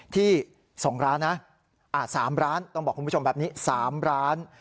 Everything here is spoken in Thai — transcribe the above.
ที่๒ร้านนะ๓ร้านต้องบอกคุณผู้ชมแบบนี้๓ร้าน